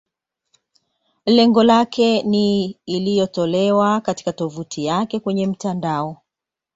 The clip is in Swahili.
Lengo lake ni iliyotolewa katika tovuti yake kwenye mtandao.